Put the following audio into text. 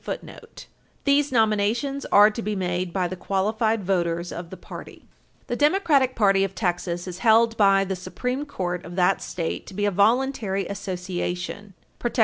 [Footnote 6] These nominations are to be made by the qualified voters of the party. Art. 3101. Page 321 U. S. 654 The Democratic Party of Texas is held by the Supreme Court of that state to be a "voluntary association," Bell v.